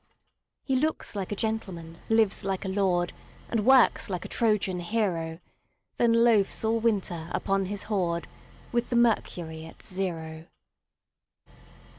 He looks like a gentleman, lives like a lord, And works like a Trojan hero; Then loafs all winter upon his hoard, With the mercury at zero.